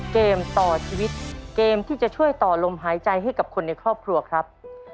เกมต่อชีวิตเกมที่จะช่วยต่อลมหายใจให้กับคนในครอบครัวครับ